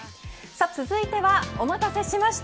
続いては、お待たせしました